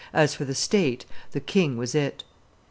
As for the state, the king was it.